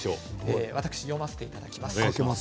私、読ませていただきます。